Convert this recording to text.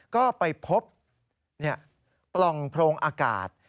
ก็ไปพบปล่องโพรงอากาศ